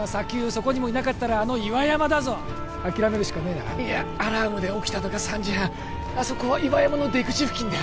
そこにもいなかったらあの岩山だぞ諦めるしかねえないやアラームで起きたのが３時半あそこは岩山の出口付近だ